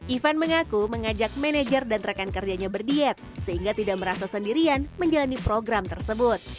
ivan mengaku mengajak manajer dan rekan kerjanya berdiet sehingga tidak merasa sendirian menjalani program tersebut